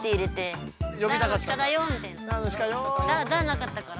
なかったから。